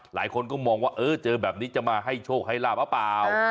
หลายคนก็มองว่าเจอแบบนี้จะมาให้โชคให้ล่าป่าว